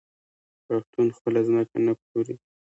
پښتون خپله ځمکه نه پلوري.